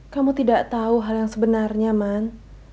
kamu tidak tahu hal yang sebenarnya man